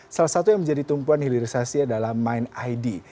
salah satu yang menjadi tumpuan hilirisasi adalah mind id